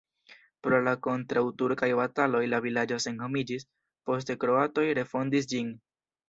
Pro la kontraŭturkaj bataloj la vilaĝo senhomiĝis, poste kroatoj refondis ĝin.